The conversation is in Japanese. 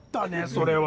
それは。